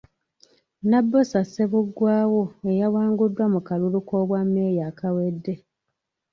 Nabbosa Ssebuggwawo eyawanguddwa mu kalulu k’obwammeeya akawedde.